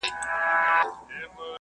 ځینې خلک پر ځان ډېر فشار راوړي.